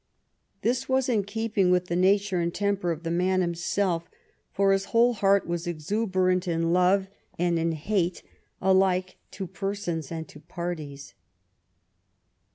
This was in keeping with the nature and the temper of the man himself, for his whole heart was exuberant in love and in hate alike to persons and to parties.